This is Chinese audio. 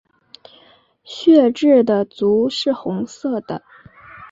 血雉的足是红色的。